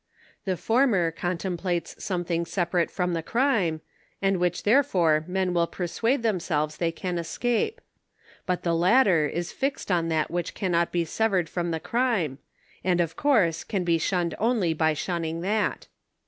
The fonner contemplates something separate from the crime, and which therefore men will persuade themselves they can escape ; but the latter is fixed on that which can not be severed from the crime, and of course can be shun ned only by shunning that.